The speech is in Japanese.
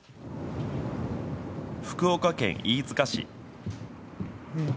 福岡県飯塚市。